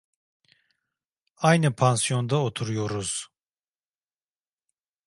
Aynı pansiyonda oturuyoruz.